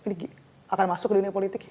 ini akan masuk ke dunia politik